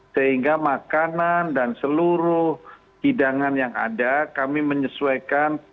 sehingga makanan dan seluruh hidangan yang ada kami menyesuaikan